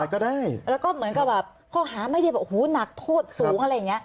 ก็ได้แล้วก็เหมือนกับแบบข้อหาไม่ได้หนักโทษสูงอะไรอย่างนี้